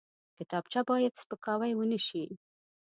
کتابچه باید سپکاوی ونه شي